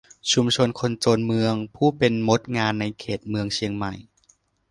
ชุมชนคนจนเมืองผู้เป็นมดงานในเขตเมืองเชียงใหม่